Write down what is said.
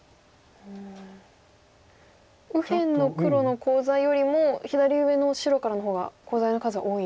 右辺の黒のコウ材よりも左上の白からの方がコウ材の数は多い？